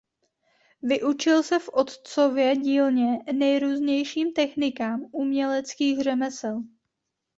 Vyučil se v otcově dílně nejrůznějším technikám uměleckých řemesel.